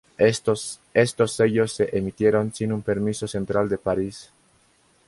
Estos sellos se emitieron sin un permiso central de París.